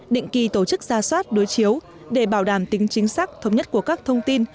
định kỳ tổ chức ra soát đối chiếu để bảo đảm tính chính xác thống nhất của các thông tin